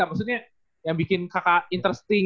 maksudnya yang bikin kakak intersting